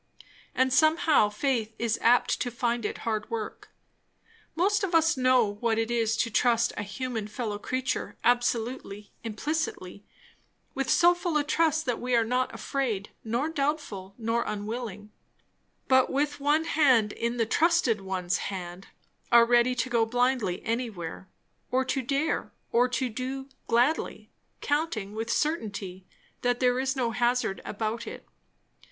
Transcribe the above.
And somehow faith is apt to find it hard work. Most of us know what it is to trust a human fellow creature absolutely, implicitly; with so full a trust that we are not afraid nor doubtful nor unwilling; but with one hand in the trusted one's hand are ready to go blindly anywhere, or to dare or to do gladly, counting with certainty that there is no hazard about it.